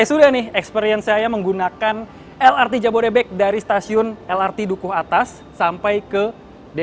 selesai sudah nih experience saya menggunakan lrt jabodebek dari stasiun lrt dukuh atas sampai ke depo lrt yang ada di kawasan bekasi tengah